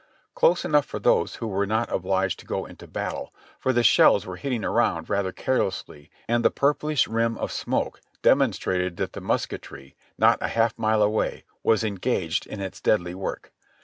Close enough for those who were not obliged to go into battle, for the shells were hitting around rather carelessly and the purpHsh rim of smoke demonstrated that the musketry, not a half mile away, was engaged in its deadly work.